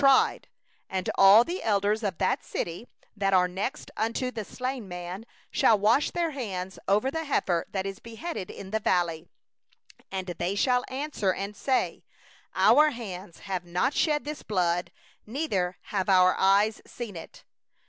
6And all the elders of that city, who are nearest unto the slain man, shall wash their hands over the heifer whose neck was broken in the valley. 7And they shall speak and say: 'Our hands have not shed this blood, neither have our eyes seen it.